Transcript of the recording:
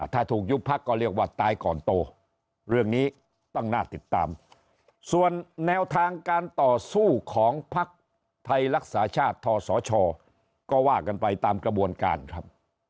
ถ้าถูกยุบพักก็เรียกว่าตายก่อนโตเรื่องนี้ต้องน่าติดตามส่วนแนวทางการต่อสู้ของพักไทยรักษาชาติทศชก็ว่ากันไปตามกระบวนการครับ